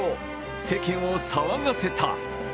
世間を騒がせた。